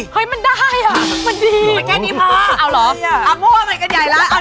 ก็เลยมากับผู้ชายด้วยก่อน